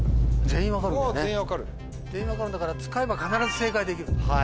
全員分かるんだから使えば必ず正解できる。